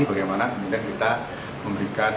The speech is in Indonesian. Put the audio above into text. bagaimana kemudian kita memberikan